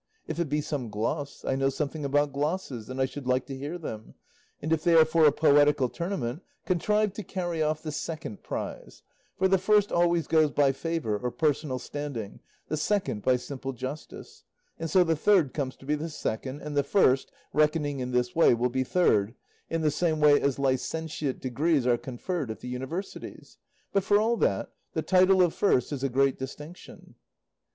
If it be some gloss, I know something about glosses, and I should like to hear them; and if they are for a poetical tournament, contrive to carry off the second prize; for the first always goes by favour or personal standing, the second by simple justice; and so the third comes to be the second, and the first, reckoning in this way, will be third, in the same way as licentiate degrees are conferred at the universities; but, for all that, the title of first is a great distinction."